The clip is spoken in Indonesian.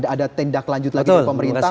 ada tindak lanjut lagi dari pemerintah